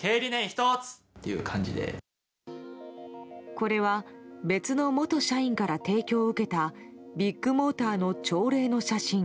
これは別の元社員から提供を受けたビッグモーターの朝礼の写真。